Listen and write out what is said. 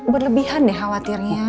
berlebihan deh khawatirnya